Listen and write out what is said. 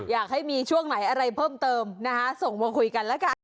อยากให้มีช่วงไหนอะไรเพิ่มเติมนะคะส่งมาคุยกันแล้วกัน